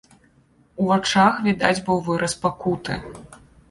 У вачах відаць быў выраз пакуты.